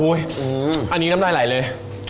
อันนี้น้ำลายไหลเลย